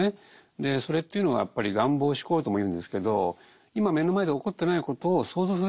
でそれっていうのはやっぱり「願望思考」ともいうんですけど今目の前で起こってないことを想像する力でもあるわけですよ。